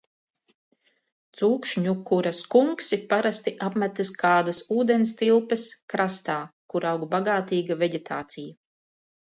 Cūkšņukura skunksi parasti apmetas kādas ūdenstilpes krastā, kur aug bagātīga veģetācija.